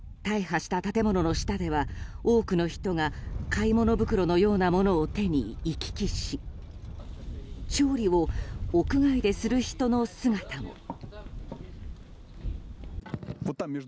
大破した建物の下では多くの人が買い物袋のようなものを手に行き来し調理を屋外でする人の姿も。